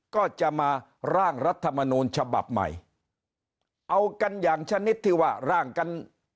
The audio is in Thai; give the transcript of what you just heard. ก็จะมาร่างรัฐมนูลฉบับใหม่เอากันอย่างชนิดที่ว่าร่างกัน